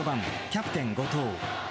キャプテン後藤。